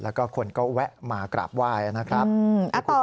แล้วก็คนก็แวะมากราบไหว้นะครับ